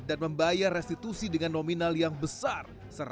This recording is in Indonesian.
dan membayar restitusi dengan nominal yang besar